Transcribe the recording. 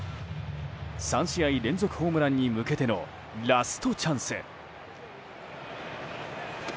３試合連続ホームランに向けてのラストチャンス。